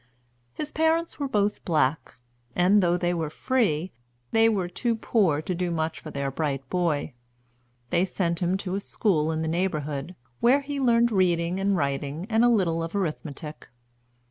His parents were both black, and though they were free, they were too poor to do much for their bright boy. They sent him to a school in the neighborhood, where he learned reading and writing and a little of arithmetic.